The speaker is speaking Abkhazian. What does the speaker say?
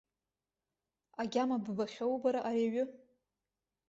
Агьама ббахьоу бара ари аҩы?